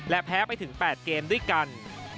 และแพ้ไปถึง๘เกมด้วยกัน